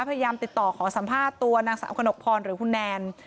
พยายามติดต่อขอสัมภาษณ์ตัวนางสาวขนกพรหรือคุณแนน